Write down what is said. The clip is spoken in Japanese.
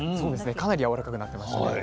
かなりやわらかくなってましたね。